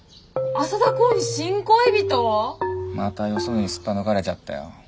またよそにすっぱ抜かれちゃったよ。